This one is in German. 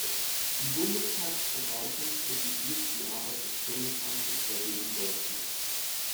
Die Bundestagsverwaltung kritisiert die Arbeit des Bundesamtes dagegen deutlich.